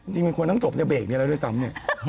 จริงมันควรต้องจบในเบรกนี้แล้วด้วยซ้ำเนี่ย